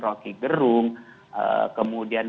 roky gerung kemudian